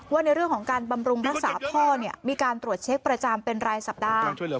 ในเรื่องของการบำรุงรักษาพ่อเนี่ยมีการตรวจเช็คประจำเป็นรายสัปดาห์